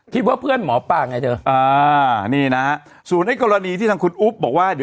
ที่พวกเพื่อนหมอป้าไงเธอ